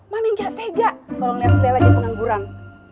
mami nggak tega kalau ngeliat si lela jepang nganggurang